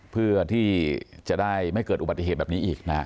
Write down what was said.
เพื่อที่จะได้ไม่เกิดอุบัติเหตุแบบนี้อีกนะฮะ